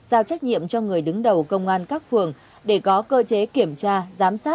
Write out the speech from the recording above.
giao trách nhiệm cho người đứng đầu công an các phường